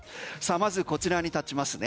まずこちらに立ちますね。